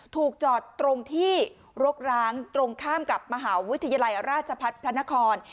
ถูกจอดตรงที่รกร้างตรงข้ามกับมหาวิทยาลัยราชพัฒน์พระนคร